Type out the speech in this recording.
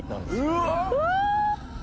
うわっ！